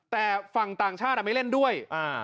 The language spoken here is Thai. แต่ฝั่งต่างชาติไม่เล่นด้วย